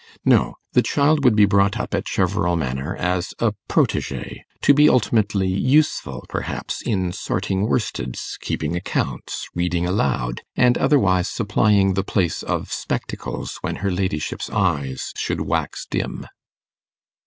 No! the child would be brought up at Cheverel Manor as a protegée, to be ultimately useful, perhaps, in sorting worsteds, keeping accounts, reading aloud, and otherwise supplying the place of spectacles when her ladyship's eyes should wax dim.